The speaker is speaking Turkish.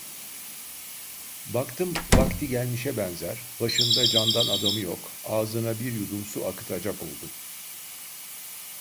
Baktım vakti gelmişe benzer, başında candan adamı yok, ağzına bir yudum su akıtacak oldum.